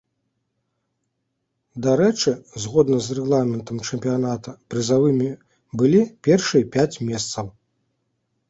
Дарэчы, згодна з рэгламентам чэмпіяната прызавымі былі першыя пяць месцаў.